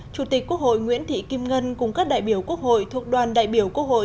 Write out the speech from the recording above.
chủ tịch quốc hội nguyễn thị kim ngân cùng các đại biểu quốc hội thuộc đoàn đại biểu quốc hội